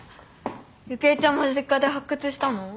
ゆくえちゃんも実家で発掘したの？